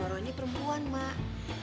jadi lo bisa jadi perempuan mak